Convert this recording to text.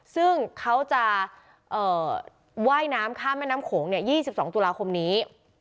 ซึ่งเขาจะว่ายน้ำข้ามแม่น้ำโขง๒๒ตุลาคมนี้